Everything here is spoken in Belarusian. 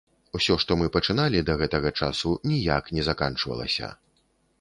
Усё што мы пачыналі да гэтага часу, ніяк не заканчвалася.